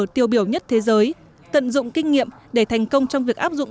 tiêu biểu nhất thế giới tận dụng kinh nghiệm để thành công trong việc áp dụng